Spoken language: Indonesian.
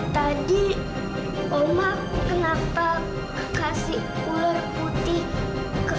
tadi oma kenapa kasih ular putih ke